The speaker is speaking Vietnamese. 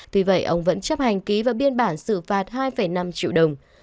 tuy vậy ông vẫn chấp hành ký và biên bản sự phạt hai năm triệu đồng